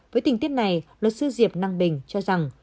với tình tiết này luật sư diệp năng bình cho rằng